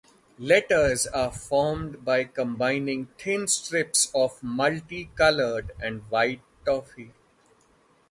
Letters are formed by combining thin strips of multi colored and white toffee.